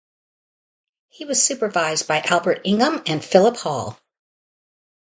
He was supervised by Albert Ingham and Philip Hall.